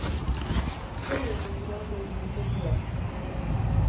Sei egun iraungo du hitzorduak.